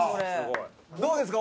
どうですか？